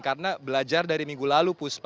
karena belajar dari minggu lalu puspa